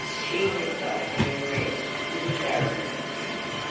She herself turned red with embarrassment.